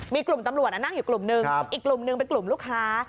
มีกลุ่มตำรวจนั่งอยู่กลุ่มนึงอีกกลุ่มหนึ่งเป็นกลุ่มลูกค้า